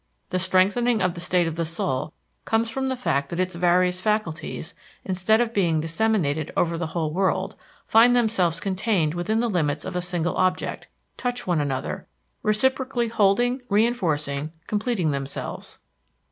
The strengthening of the state of the soul comes from the fact that its various faculties, instead of being disseminated over the whole world, find themselves contained within the limits of a single object, touch one another, reciprocally upholding, reënforcing, completing themselves.